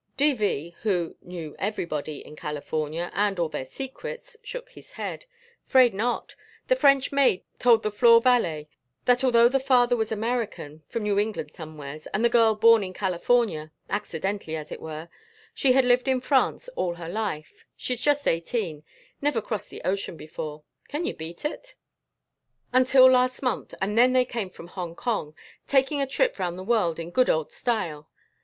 "D.V.," who knew "everybody" in California, and all their secrets, shook his head. "'Fraid not. The French maid told the floor valet that although the father was American from New England somewheres and the girl born in California, accidentally as it were, she had lived in France all her life she's just eighteen never crossed the ocean before. Can you beat it? Until last month, and then they came from Hong Kong taking a trip round the world in good old style.